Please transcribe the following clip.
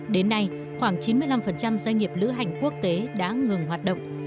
đến nay khoảng chín mươi năm doanh nghiệp lữ hành quốc tế đã ngừng hoạt động